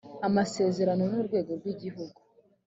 amasezerano n urwego rw igihugu